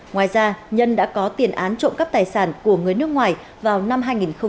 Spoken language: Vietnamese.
ngoài ra nhân đã có tiền án trộm cắp tài sản của người nước ngoài vào năm hai nghìn một mươi sáu